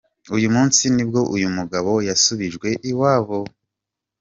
Uyu munsi nibwo uyu mugabo yasubijwe iwabo.